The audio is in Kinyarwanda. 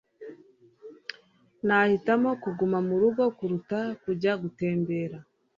Nahitamo kuguma murugo kuruta kujya gutembera